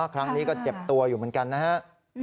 ครั้งนี้ก็เจ็บตัวอยู่เหมือนกันนะครับ